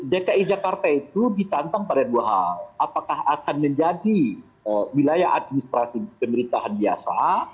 dki jakarta itu ditantang pada dua hal apakah akan menjadi wilayah administrasi pemerintahan biasa